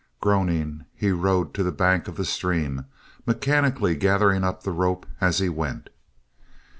Groaning he rode to the bank of the stream, mechanically gathering up the rope as he went.